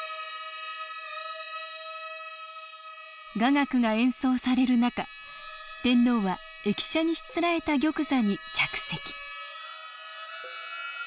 雅楽が演奏される中天皇は駅舎にしつらえた玉座に着席